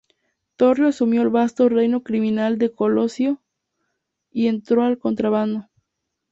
Torrio asumió el vasto reino criminal de Colosimo y entró en el contrabando.